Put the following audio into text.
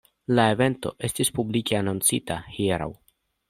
La evento estis publike anoncita hieraŭ.